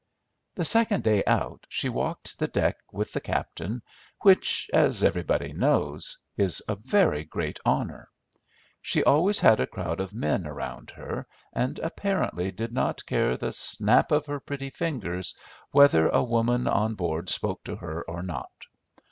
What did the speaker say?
The second day out she walked the deck with the captain, which, as everybody knows, is a very great honour. She always had a crowd of men around her, and apparently did not care the snap of her pretty fingers whether a woman on board spoke to her or not.